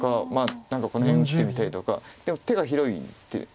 何かこの辺打ってみたりとかでも手が広いっていう。